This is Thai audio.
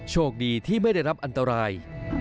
โชคดีที่ไม่ได้รับอันตราย